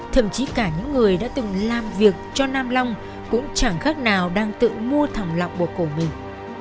thậm chí cả những người đã từng làm việc cho nam long cũng chẳng khác nào đang tự mua thỏm lọc bộ cổ mình